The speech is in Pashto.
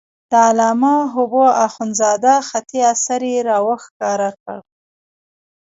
د علامه حبو اخندزاده خطي اثر یې را وښکاره کړ.